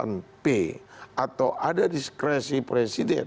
ada pembahasan p atau ada diskresi presiden